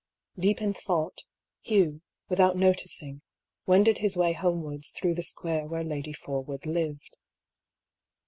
Deep in thought, Hugh, without noticing, wended his way homewards through the square where Lady Forwood lived.